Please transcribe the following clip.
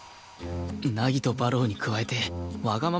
凪と馬狼に加えてわがまま